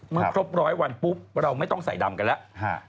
ครบร้อยวันปุ๊บเราไม่ต้องใส่ดำกันแล้ว